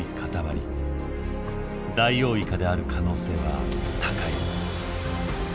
ダイオウイカである可能性は高い。